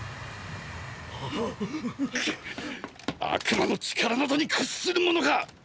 悪魔の力などに屈するものか！！